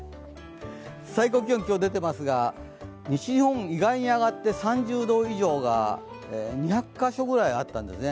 最高気温、今日出ていますが、西日本、意外に上がって３０度以上が２００カ所くらいあったんですね。